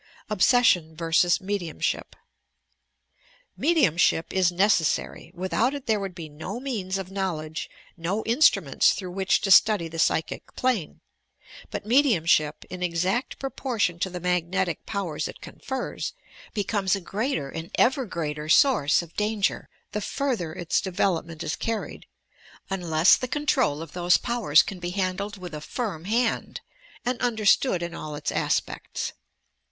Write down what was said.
OBSESSION VERSUS MEDIUMSHIP Mediumahip is necessary! Without it there would be no meaus of knowledge, no instruments through which to study the psychic plane; but mediumahip, in exact proportion to the magnetic powers it confers, becomes a greater and ever greater source of danger, the further its development is carried, unless the control of those powers can be handled with a firm hand and understood in all its aspects.